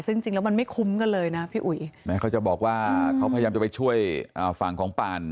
ซึ่งจริงแล้วมันไม่คุ้มกันเลยนะพี่อุ๋ยแม้เขาจะบอกว่าเขาพยายามจะไปช่วยฝั่งของปาน